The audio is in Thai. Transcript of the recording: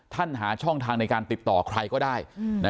หาช่องทางในการติดต่อใครก็ได้